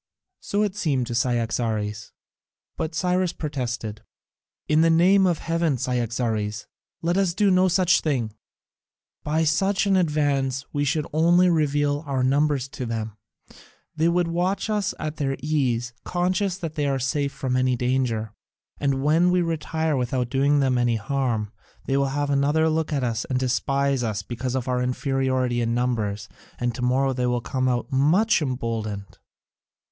So it seemed to Cyaxares, but Cyrus protested: "In the name of heaven, Cyaxares, let us do no such thing. By such an advance we should only reveal our numbers to them: they would watch us at their ease, conscious that they are safe from any danger, and when we retire without doing them any harm they will have another look at us and despise us because of our inferiority in numbers, and to morrow they will come out much emboldened.